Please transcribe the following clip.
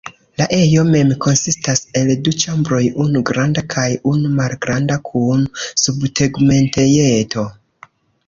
La ejo mem konsistas el du ĉambroj, unu granda kaj unu malgranda kun subtegmentejeto.